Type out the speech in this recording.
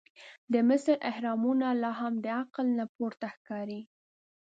د مصر احرامونه لا هم د عقل نه پورته ښکاري.